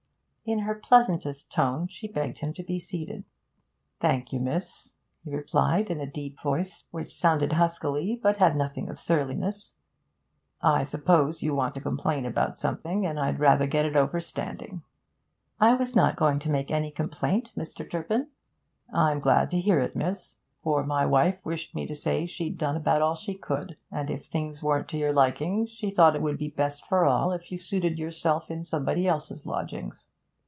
In her pleasantest tone she begged him to be seated. 'Thank you, miss,' he replied, in a deep voice, which sounded huskily, but had nothing of surliness; 'I suppose you want to complain about something, and I'd rather get it over standing.' 'I was not going to make any complaint, Mr. Turpin.' 'I'm glad to hear it, miss; for my wife wished me to say she'd done about all she could, and if things weren't to your liking, she thought it would be best for all if you suited yourself in somebody else's lodgings.'